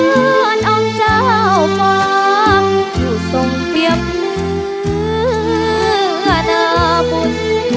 เพื่อนเอาเจ้ากว่าอยู่ส่งเตรียมอนาบุญ